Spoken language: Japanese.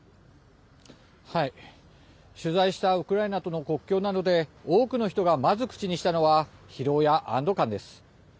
取材したウクライナとの国境などで多くの人がまず口にしたのは疲労や安ど感です。